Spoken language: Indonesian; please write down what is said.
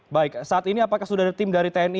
baik saat ini apakah sudah ada tim dari tni